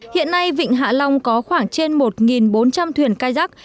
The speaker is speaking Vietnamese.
hiện nay vịnh hạ long có khoảng trên một bốn trăm linh thuyền cai rắc